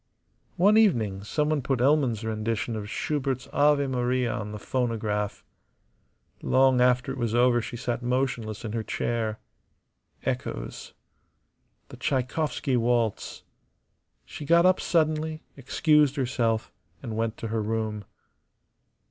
One evening someone put Elman's rendition of Schubert's "Ave Maria" on the phonograph. Long after it was over she sat motionless in her chair. Echoes. The Tschaikowsky waltz. She got up suddenly, excused herself, and went to her room.